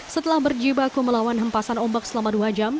setelah berjibaku melawan hempasan ombak selama dua jam